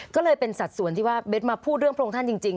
ก็เลยเป็นสัดส่วนที่ว่าเบสมาพูดเรื่องพระองค์ท่านจริง